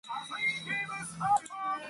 He was later emancipated of all charges.